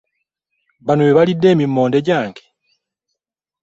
Bano be balidde emimmonde gyange!